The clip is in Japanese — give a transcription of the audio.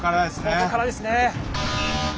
ここからですね。